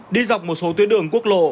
đi dọc một số tuyến đường quốc lộ